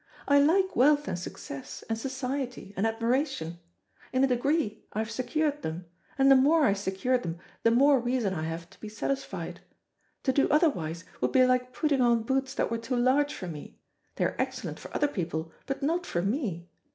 I like wealth and success, and society and admiration. In a degree I have secured them, and the more I secure them the more reason I have to be satisfied. To do otherwise would be like putting on boots that were too large for me they are excellent for other people, but not for me.